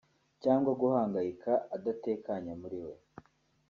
cyangwa guhangayika adatekanye muri we